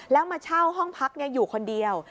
แล้วมาเช่าห้องพักอยู่คนเดียว